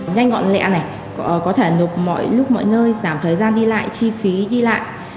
nhanh gọn nhẹ này có thể nộp mọi lúc mọi nơi giảm thời gian đi lại chi phí đi lại